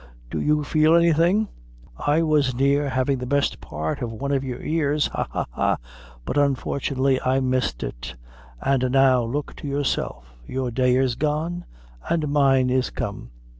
do you feel anything? I was near havin' the best part of one of your ears ha, ha, ha! but unfortunately I missed it; an' now look to yourself. Your day is gone, an' mine is come.